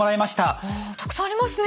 あたくさんありますね。